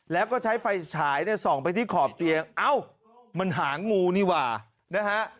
แล้วก็ใช้ไฟฉายเนี่ยส่องไปที่ขอบเตียงเอ้ามันหางงูนี่หว่านะฮะ